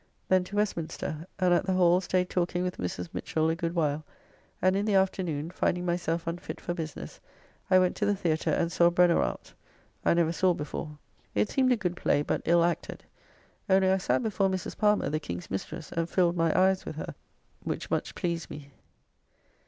Then to Westminster, and at the Hall staid talking with Mrs. Michell a good while, and in the afternoon, finding myself unfit for business, I went to the Theatre, and saw "Brenoralt," I never saw before. It seemed a good play, but ill acted; only I sat before Mrs. Palmer, the King's mistress, and filled my eyes with her, which much pleased me.